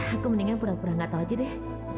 aku mendingan pura pura gak tau aja deh